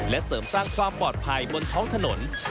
และเสริมสร้างความปลอดภัยบนท้องถนน